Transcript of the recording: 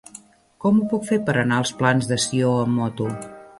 Com ho puc fer per anar als Plans de Sió amb moto?